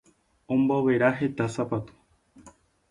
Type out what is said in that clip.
Ombovera heta sapatu.